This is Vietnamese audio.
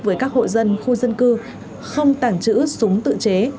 với các hộ dân khu dân cư không tàng trữ súng tự chế